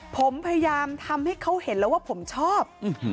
ผมพยายามทำให้เขาเห็นแล้วว่าผมชอบ